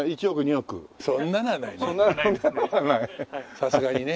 さすがにね。